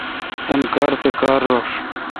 تان کار سہ کار رݭ۔